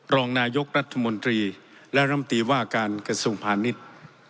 รองนายกรัฐมนตรีและรำตีว่าการกระทรวงพาณิชย์